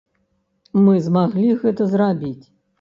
Мы змаглі гэта зрабіць.